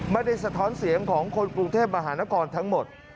สะท้อนเสียงของคนกรุงเทพมหานครทั้งหมด